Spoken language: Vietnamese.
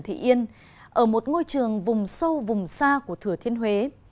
thị yên ở một ngôi trường vùng sâu vùng xa của thừa thiên huế